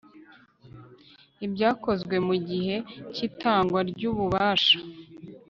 ibyakozwe mu gihe cy itangwa ry ububasha